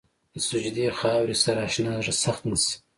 د سجدې خاورې سره اشنا زړه سخت نه شي.